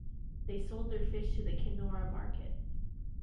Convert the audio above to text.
They sold their fish to the Kenora market.